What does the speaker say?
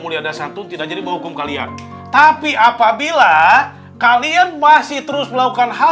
mulia dasar tuntin dan jadi menghukum kalian tapi apabila kalian masih terus melakukan hal